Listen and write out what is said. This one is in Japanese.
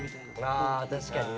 あ確かにね。